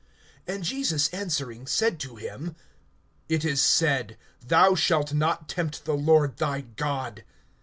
(12)And Jesus answering said to him: It is said, Thou shalt not tempt the Lord thy God.